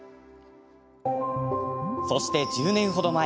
そして１０年ほど前。